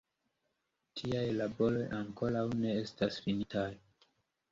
Tiaj laboroj ankoraŭ ne estas finitaj.